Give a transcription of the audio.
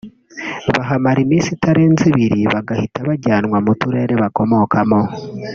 bahamara iminsi itarenze ibiri bagahita bajyanwa mu Turere bakomokamo